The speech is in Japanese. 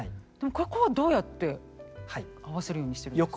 ここはどうやって合わせるようにしてるんですか。